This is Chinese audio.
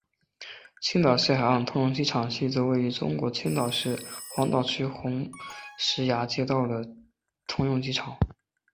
青岛西海岸通用机场是一座位于中国青岛市黄岛区红石崖街道的在建通用机场。